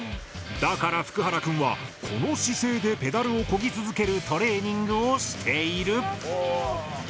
だからフクハラくんはこの姿勢でペダルをこぎ続けるトレーニングをしている。